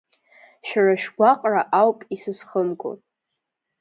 Шәара шәгәаҟра ауп исызхымго.